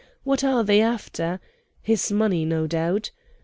What are they after? His money, no doubt.